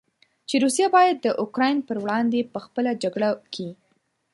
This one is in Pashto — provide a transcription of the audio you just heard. چې روسیه باید د اوکراین پر وړاندې په خپله جګړه کې.